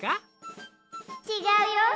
ちがうよ。